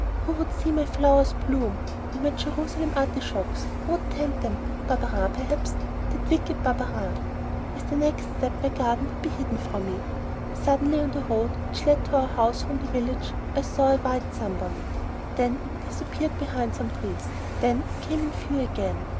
Who would see my flowers bloom? and my Jerusalem artichokes, who would tend them? Barberin, perhaps, that wicked Barberin! With the next step my garden would be hidden from me. Suddenly on the road which led to our house from the village, I saw a white sunbonnet. Then it disappeared behind some trees, then it came in view again.